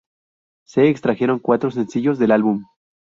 Se extrajeron cuatro sencillos del álbum.